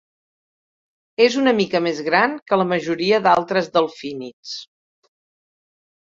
És una mica més gran que la majoria d'altres delfínids.